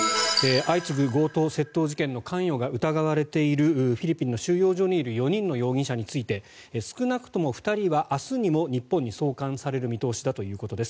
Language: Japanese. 相次ぐ強盗・窃盗事件の関与が疑われているフィリピンの収容所にいる４人の容疑者について少なくとも２人は明日にも日本に送還される見通しだということです。